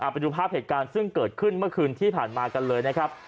ไปดูภาพเหตุการณ์ซึ่งเกิดขึ้นเมื่อคืนที่ผ่านมากันเลยนะครับ